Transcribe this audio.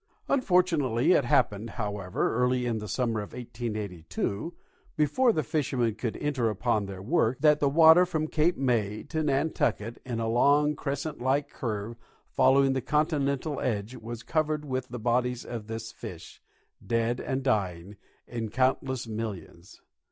Unfortunately it happened, however, early in the summer of 1882, before the fishermen could enter upon their work, that the water from Cape May to Nantucket, in a long crescent like curve following the continental edge, was covered with the bodies of this fish, dead and dying, in countless millions.